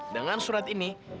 dengan surat ini